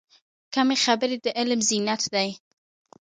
کمې خبرې، د علم زینت دی.